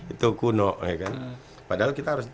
itu kuno padahal kita harus